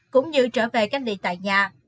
cũng như trở về cách ly tại nhà